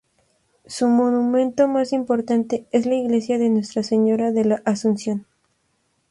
Su monumento más importante es la Iglesia de Nuestra Señora de la Asunción.